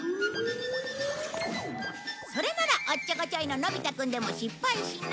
それならおっちょこちょいののび太くんでも失敗しない。